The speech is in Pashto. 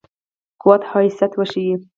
قوت او حیثیت وښيي.